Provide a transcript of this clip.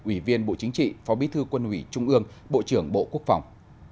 ủy viên bộ chính trị phó bí thư quân ủy trung ương bộ trưởng bộ quốc phòng